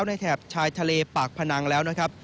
แถบชายทะเลปากพนังแล้วนะครับ